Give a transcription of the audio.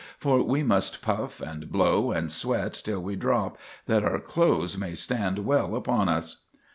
For we must puff and blow and sweat till we drop, that our clothes may stand well upon us."